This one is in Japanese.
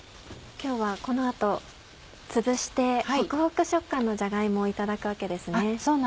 今日はこの後つぶしてほくほく食感のじゃが芋をいただくわけですね。